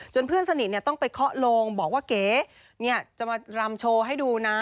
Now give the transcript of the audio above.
เพื่อนสนิทต้องไปเคาะโลงบอกว่าเก๋จะมารำโชว์ให้ดูนะ